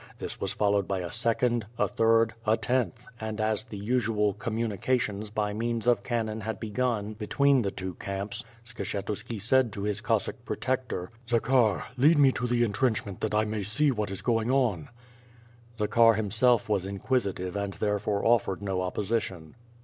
This was followed by a second, a third, a tenth, and, as the usual "com munications" by means of cannon had begun between the two camps, Skshetuski said to his Cossack protector: "Zakhar, lead me to the intrenchment that I may see what is going on?" Zakhar himself was inquisitive and therefore offered no op position.